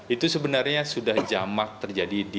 itu sebenarnya sudah jamak terjadi di